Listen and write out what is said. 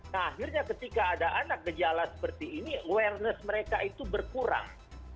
nah akhirnya ketika ada anak gejala seperti ini awareness mereka itu berkurang